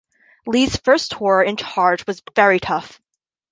Lees' first tour in charge was very tough.